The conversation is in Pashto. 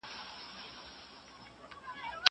زه کولای سم دا کار وکړم!